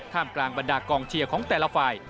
กลางบรรดากองเชียร์ของแต่ละฝ่าย